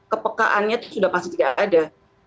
kepekaannya itu sudah pasti tidak ada